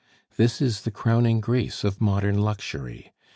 This is the crowning grace of modern luxury.